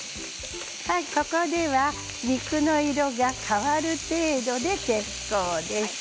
ここでは肉の色が変わる程度で結構です。